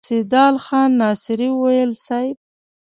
سيدال خان ناصري وويل: صېب!